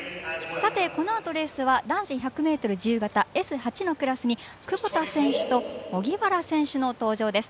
さてこのあとレースは男子１００ｍ自由形Ｓ８のクラスに窪田選手と荻原選手の登場です。